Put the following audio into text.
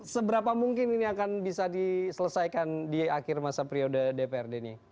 seberapa mungkin ini akan bisa diselesaikan di akhir masa periode dprd ini